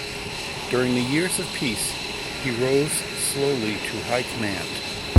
During the years of peace he rose slowly to high command.